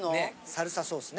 サルサソースね。